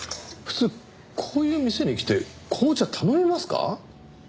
普通こういう店に来て紅茶頼みますか？